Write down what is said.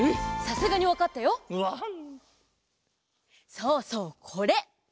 そうそうこれ！